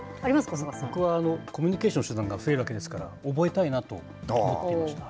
そこはコミュニケーションの手段が増えるわけですから、覚えたいなと思いました。